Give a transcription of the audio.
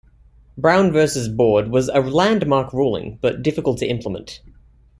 "Brown versus Board" was a landmark ruling, but difficult to implement.